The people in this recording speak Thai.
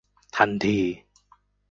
ทันที